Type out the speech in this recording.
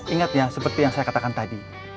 ingat ya seperti yang saya katakan tadi